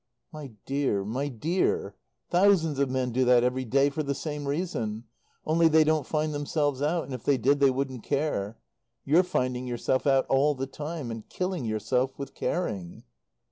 "My dear, my dear, thousands of men do that every day for the same reason, only they don't find themselves out; and if they did they wouldn't care. You're finding yourself out all the time, and killing yourself with caring."